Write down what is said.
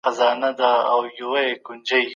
یهودي تاریخ په متونو کي پیدا کړي، او نه هم د